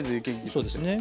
そうですね。